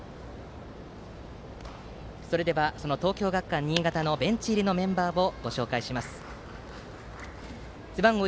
それでは東京学館新潟のベンチ入りメンバーです。